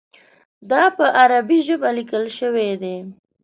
دا په عربي ژبه لیکل شوی دی.